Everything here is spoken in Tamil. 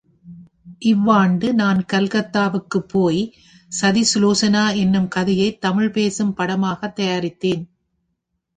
இவ்வாண்டு நான் கல்கத்தாவுக்குப் போய் சதிசுலோசனா என்னும் கதையைத் தமிழ் பேசும் படமாகத் தயாரித்தேன்.